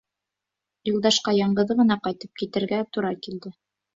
Юлдашҡа яңғыҙы ғына ҡайтып китергә тура килде.